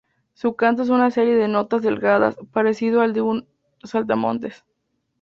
Su canto es una serie de notas delgadas, parecido al de un saltamontes.